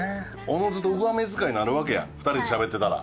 おのずと上目遣いになるわけや２人でしゃべってたら。